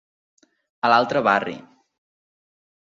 A l'altre barri.